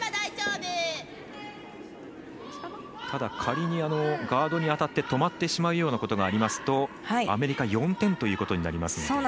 ただ、仮にガードに当たって止まってしまうようなことがあるとアメリカ４点ということになります。